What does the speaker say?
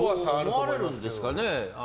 そう思われるんですかね。